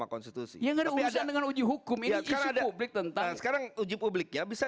konstitusi yang ada urusan dengan uji hukum ini cara publik tentang sekarang uji publiknya bisa